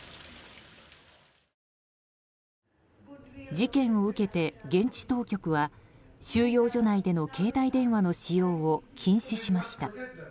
事件を受けて現地当局は収容所内での携帯電話の使用を禁止しました。